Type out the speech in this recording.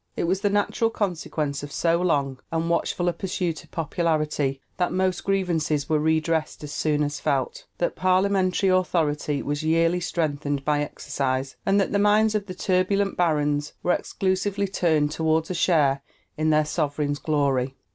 It was the natural consequence of so long and watchful a pursuit of popularity that most grievances were redressed as soon as felt, that parliamentary authority was yearly strengthened by exercise, and that the minds of the turbulent barons were exclusively turned toward a share in their sovereign's glory.